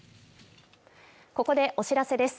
ここでお知らせです。